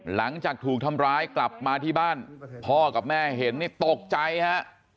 หลังจากถูกทำร้ายกลับมาที่บ้านพ่อกับแม่เห็นนี่ตกใจฮะ